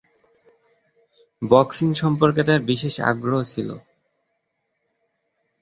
Boxing সম্পর্কে তাঁর বিশেষ আগ্রহ ছিল।